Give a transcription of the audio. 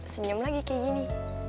senyum lagi kayak gini